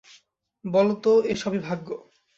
বলত, এ সবই ভাগ্য।